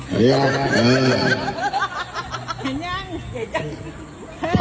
บอเดียวมาทำบุญกับเพื่อนในแก๊งสาวก่อนเนี่ยค่ะ